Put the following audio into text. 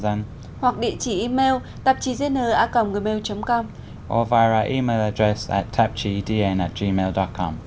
xin chào và hẹn gặp lại quý vị trong các chương trình tiếp theo